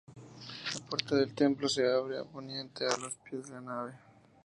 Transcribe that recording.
La puerta del templo se abre a poniente, a los pies de la nave.